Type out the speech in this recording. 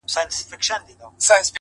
o زه بې له تا گراني ژوند څنگه تېر كړم،